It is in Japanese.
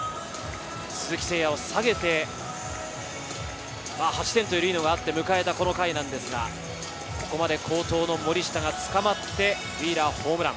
鈴木誠也を下げて、８点というリードがあって迎えたこの回なんですが、ここまで好投の森下がつかまって、ウィーラー、ホームラン。